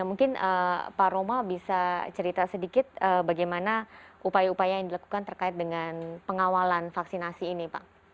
mungkin pak roma bisa cerita sedikit bagaimana upaya upaya yang dilakukan terkait dengan pengawalan vaksinasi ini pak